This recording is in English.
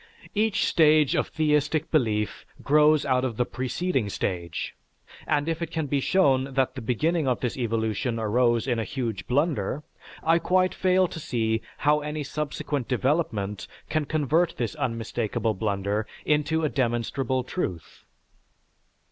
Each stage of theistic belief grows out of the proceeding stage, and if it can be shown that the beginning of this evolution arose in a huge blunder, I quite fail to see how any subsequent development can convert this unmistakable blunder into a demonstrable truth."